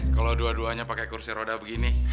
kalau dua duanya pakai kursi roda begini